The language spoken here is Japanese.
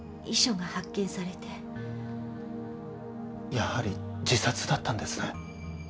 やはり自殺だったんですね？